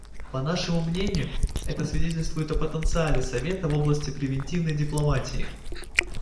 По нашему мнению, это свидетельствует о потенциале Совета в области превентивной дипломатии.